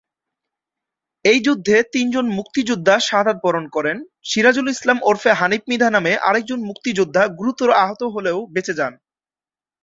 এই যুদ্ধে তিনজন মুক্তিযোদ্ধা শাহাদাত বরণ করেন, সিরাজুল ইসলাম ওরফে হানিফ মৃধা নামে আরেকজন মুক্তিযোদ্ধা গুরুতর আহত হলেও বেঁচে যান।